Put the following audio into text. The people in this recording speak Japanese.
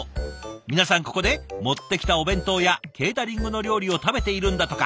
皆さんここで持ってきたお弁当やケータリングの料理を食べているんだとか。